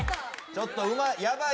ちょっとうまい。